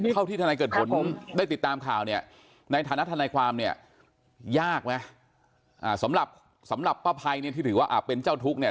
ด้านหน้าเกิดปุ่มและติดตามข่าวเนี่ยในฐานะทานายความเนี่ยยากไหมอ่ะสำหรับสำหรับพระภัยเนี่ยถือว่าอ่ะเป็นเจ้าทุกข์ใน